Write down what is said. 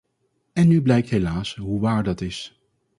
En nu blijkt helaas hoe waar dat is.